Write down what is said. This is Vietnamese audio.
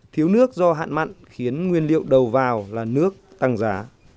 thiếu nước do hạn mặn khiến nguyên liệu đầu vào là nước tăng giá